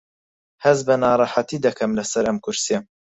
هەست بە ناڕەحەتی دەکەم لەسەر ئەم کورسییە.